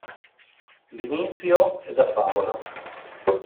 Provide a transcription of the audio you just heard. L'inizio è da favola.